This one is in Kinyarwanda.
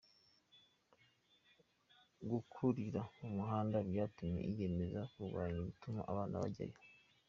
Gukurira ku muhanda byatumye yiyemeza kurwanya ibituma abana bajyayo.